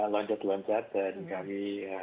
loncat loncat dan kami